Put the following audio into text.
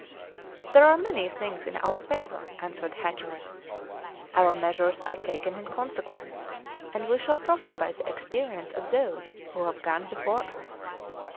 "There are many things in our favour," answered Hatteras; "our measures are taken in consequence, and we shall profit by the experience of those who have gone before us.